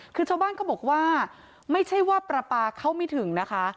คือชาวบ้านเขาบอกว่าไม่ใช่ว่าปลาปลาเข้าไม่ถึงนะคะ